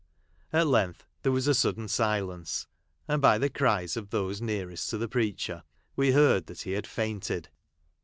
At length there \vas a sudden silence ; and by the cries of those nearest to the preacher, AVC heard that he had fainted.